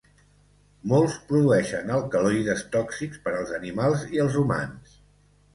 Molts produeixen alcaloides tòxics per als animals i els humans.